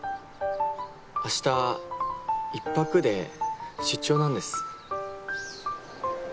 あした１泊で出張なんです。